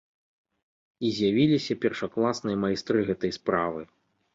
І з'явіліся першакласныя майстры гэтай справы.